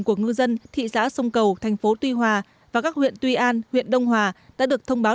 của ngư dân thị xã sông cầu thành phố tuy hòa và các huyện tuy an huyện đông hòa đã được thông báo